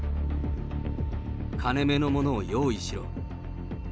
金目のものを用意しろ。